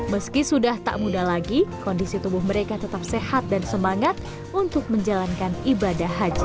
meski sudah tak muda lagi kondisi tubuh mereka tetap sehat dan semangat untuk menjalankan ibadah haji